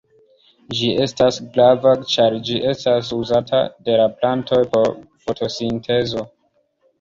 Ĝi estas grava ĉar ĝi estas uzata de la plantoj por la fotosintezo.